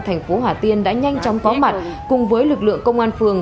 thành phố hà tiên đã nhanh chóng có mặt cùng với lực lượng công an phường